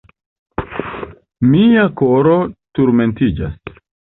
Mia koro turmentiĝas.